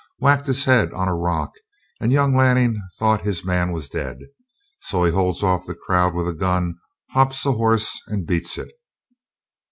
Whacked his head on a rock, and young Lanning thought his man was dead. So he holds off the crowd with a gun, hops a horse, and beats it."